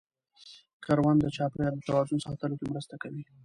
کرنه د چاپېریال د توازن ساتلو کې مرسته کوي.